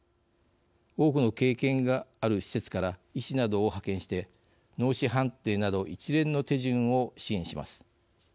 多くの経験がある施設から医師などを派遣して脳死判定など一連の手順を支援します。